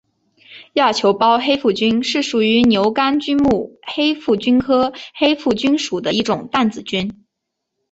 亚球孢黑腹菌是属于牛肝菌目黑腹菌科黑腹菌属的一种担子菌。